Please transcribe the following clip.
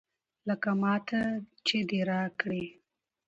لکه ماته چې دې راکړي.